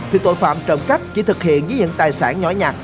thì tội phạm trộm cắp chỉ thực hiện với những tài sản nhỏ nhặt